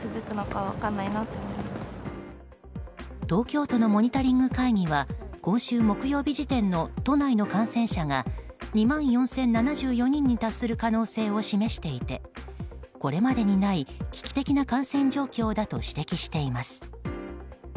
東京都のモニタリング会議は今週木曜日時点の都内の感染者が２万４０７４人に達する可能性を示していてこれまでにない危機的な感染状況だと指摘しています。